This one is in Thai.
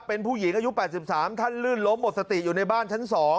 เป็นผู้หญิงอายุ๘๓ท่านลื่นล้มหมดสติอยู่ในบ้านชั้น๒